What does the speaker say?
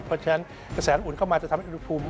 เพราะฉะนั้นกระแสอุ่นเข้ามาจะทำให้อุณหภูมิ